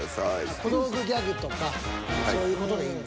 小道具ギャグとかそういう事でいいんだ。